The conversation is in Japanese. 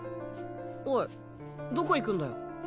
おいどこ行くんだよ？